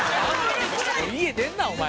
家出んなお前